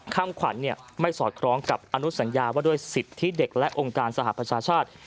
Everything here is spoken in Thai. คำขวัญไม่สอดคล้องกับอนุสัญญาว่าด้วยสิทธิเด็กและองค์การสหประชาชาติ